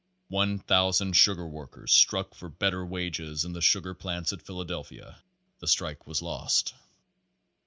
One thousand sugar workers struck for better wages in the sugar plants at Philadelphia. The strike was lost.